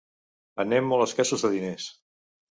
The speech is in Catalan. Anem molt escassos de diners.